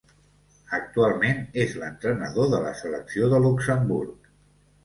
Actualment és l'entrenador de la Selecció de Luxemburg.